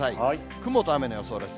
雲と雨の予想です。